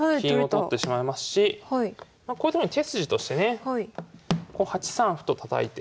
取ってしまいますしこういうとこに手筋としてね８三歩とたたいて。